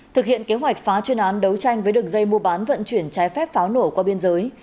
thực hiện kế hoạch phá chuyên án đấu tranh với đường dây mua bán vận chuyển trái phép pháo nổ qua biên giới